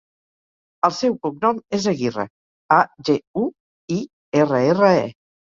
El seu cognom és Aguirre: a, ge, u, i, erra, erra, e.